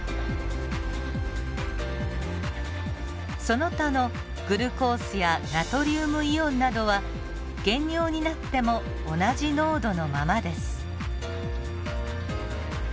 その他のグルコースやナトリウムイオンなどは原尿になっても同じ濃度のままです。